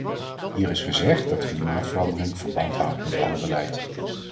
Hier is gezegd dat klimaatverandering verband houdt met alle beleid.